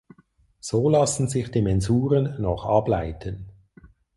So lassen sich die Mensuren noch ableiten.